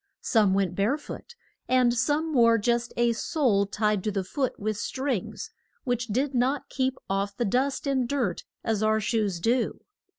Some went bare foot, and some wore just a sole tied to the foot with strings, which did not keep off the dust and dirt as our shoes do.